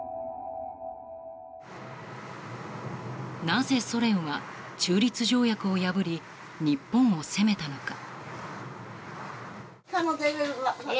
なぜ、ソ連は中立条約を破り日本を攻めたのか。